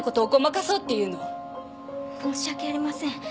申し訳ありません。